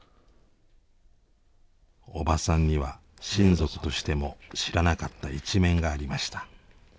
おばさんには親族としても知らなかった一面がありました。